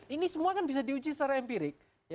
ini semua kan bisa diuji secara empirik